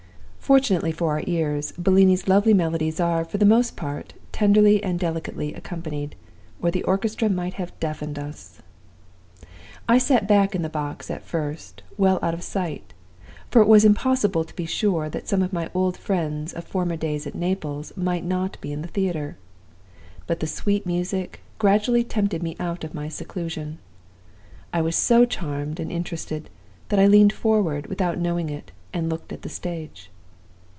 Fortunately for our ears, Bellini's lovely melodies are, for the most part, tenderly and delicately accompanied or the orchestra might have deafened us. "I sat back in the box at first, well out of sight; for it was impossible to be sure that some of my old friends of former days at Naples might not be in the theater. But the sweet music gradually tempted me out of my seclusion. I was so charmed and interested that I leaned forward without knowing it, and looked at the stage.